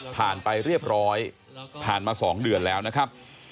ไปเรียบร้อยผ่านมา๒เดือนแล้วนะครับ